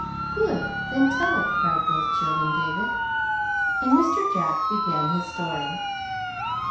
"Good! then tell it," cried both Jill and David. And Mr. Jack began his story.